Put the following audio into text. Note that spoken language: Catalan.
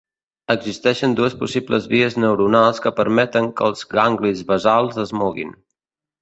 Existeixen dues possibles vies neuronals que permeten que els ganglis basals es moguin.